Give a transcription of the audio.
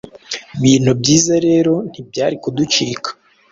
bintu byiza rero ntibyari kuducika.